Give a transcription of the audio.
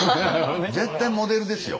絶対モデルですよ。